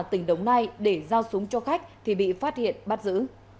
tỉnh đồng nai để giao súng cho khách thì bị phát hiện bắt giữ